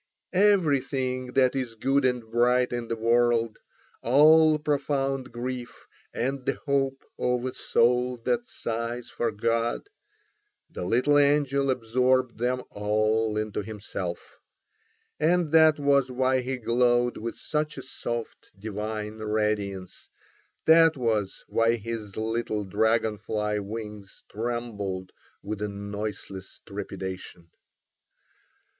Everything that is good and bright in the world, all profound grief, and the hope of a soul that sighs for God—the little angel absorbed them all into himself, and that was why he glowed with such a soft divine radiance, that was why his little dragonfly wings trembled with a noiseless trepidation.